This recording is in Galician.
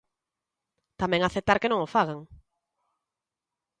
Tamén aceptar que non o fagan.